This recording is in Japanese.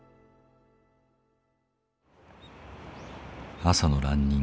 朝のランニング。